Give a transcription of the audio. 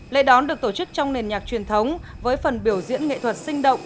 lễ đón được tổ chức trong nền nhạc truyền thống với phần biểu diễn nghệ thuật sinh động